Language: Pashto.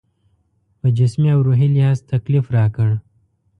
په جسمي او روحي لحاظ تکلیف راکړ.